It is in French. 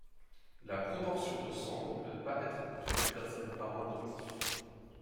La proportion de sang ne peut pas être obtenu grâce à des parents adoptifs.